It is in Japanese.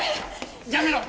やめろ！